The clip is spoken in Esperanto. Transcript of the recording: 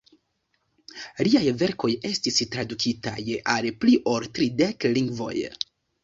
Liaj verkoj estis tradukitaj al pli ol tridek lingvoj.